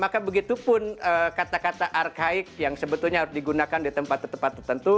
maka begitu pun kata kata arkaik yang sebetulnya harus digunakan di tempat tempat tertentu